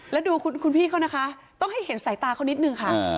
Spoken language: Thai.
แล้วดูคุณพี่เขานะคะต้องให้เห็นสายตาเขานิดนึงค่ะ